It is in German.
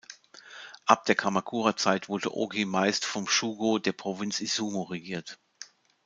Ab der Kamakura-Zeit wurde Oki meist vom Shugo der Provinz Izumo regiert.